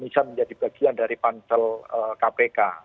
bisa menjadi bagian dari pansel kpk